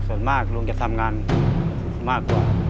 ส่วนมากลุงจะทำงานมากกว่า